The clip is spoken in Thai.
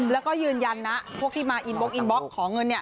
แล้วก็ยืนยันนะพวกที่มาอินบล็อินบล็อกขอเงิน